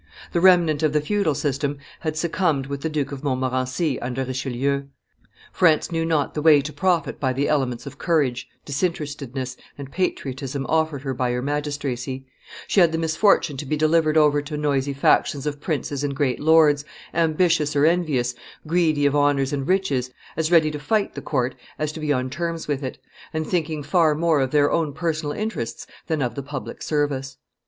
The remnant of the feudal system had succumbed with the Duke of Montmorency under Richelieu; France knew not the way to profit by the elements of courage, disinterestedness, and patriotism offered her by her magistracy; she had the misfortune to be delivered over to noisy factions of princes and great lords, ambitious or envious, greedy of honors and riches, as ready to fight the court as to be on terms with it, and thinking far more of their own personal interests than of the public service.